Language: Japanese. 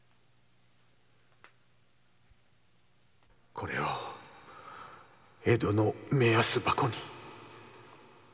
これを江戸の目安箱に